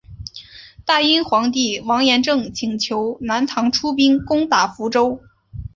大殷皇帝王延政请求南唐出兵攻打福州。